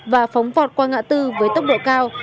và phóng vọt qua ngã tư với tốc độ cao